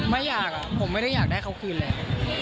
ไม่อยากผมไม่ได้อยากได้เขาคืนแล้ว